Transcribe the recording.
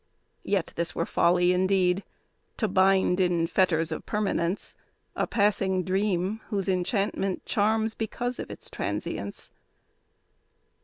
Yet, this were folly indeed; to bind, in fetters of permanence, A passing dream whose enchantment charms because of its trancience.